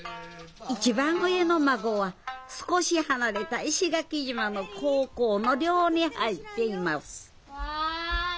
一番上の孫は少し離れた石垣島の高校の寮に入っています